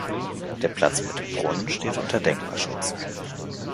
Der Platz mit dem Brunnen steht unter Denkmalschutz.